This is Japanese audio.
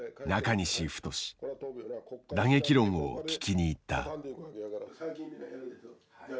打撃論を聞きに行った。